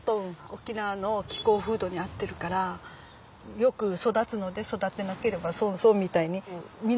沖縄の気候風土に合ってるからよく育つので育てなければ損損みたいに皆さん植えてる。